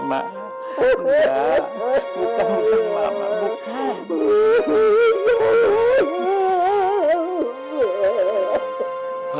bukan bukan mak mak bukan